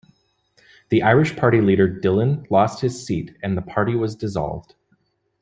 The Irish Party leader Dillon lost his seat and the party was dissolved.